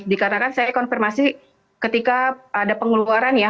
dikarenakan saya konfirmasi ketika ada pengeluaran ya